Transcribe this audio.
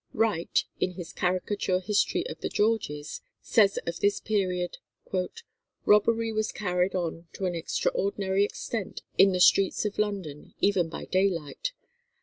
Wright, in his "Caricature History of the Georges," says of this period: "Robbery was carried on to an extraordinary extent in the streets of London even by daylight.